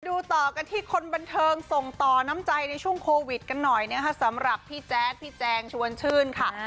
ดูต่อกันที่คนบันเทิงส่งต่อน้ำใจในช่วงโควิดกันหน่อยนะคะสำหรับพี่แจ๊ดพี่แจงชวนชื่นค่ะ